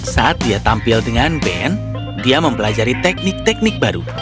saat dia tampil dengan band dia mempelajari teknik teknik baru